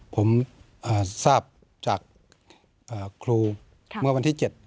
ผมทราบจากครูเมื่อวันที่๗